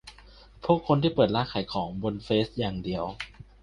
พวกคนที่เปิดร้านขายของบนเฟซอย่างเดียว